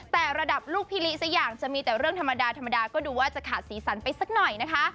แต่ระดับลูกพี่ลิสักอย่างจะมีแต่เรื่องธรรมดาธรรมดาก็ดูว่าจะขาดสีสันไปสักหน่อยนะคะ